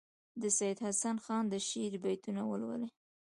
د سیدحسن خان د شعر بیتونه ولولي.